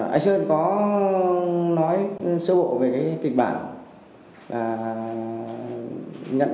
anh sơn có nói sơ bộ về kịch bản